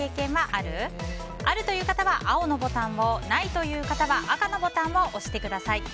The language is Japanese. あるという方は青のボタンをないという方は赤のボタンを押してください。